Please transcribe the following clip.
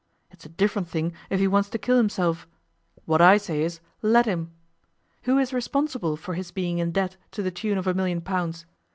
It's a different thing if he wants to kill himself. What I say is: Let him. Who is responsible for his being in debt to the tune of a million pounds?